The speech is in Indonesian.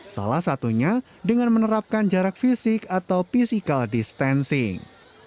salah satunya dengan menerapkan jarak fisik atau physical distancing